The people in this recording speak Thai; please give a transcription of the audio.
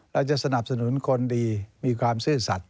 เราจะสนับสนุนคนดีมีความซื่อสัตว